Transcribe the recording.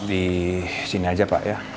di sini aja pak ya